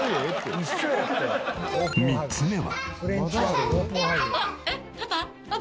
３つ目は。